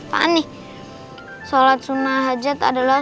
sholat sunnah hajat adalah